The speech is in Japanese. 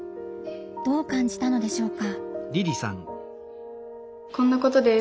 どう感じたのでしょうか？